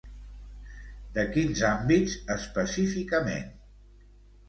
De quins àmbits, específicament?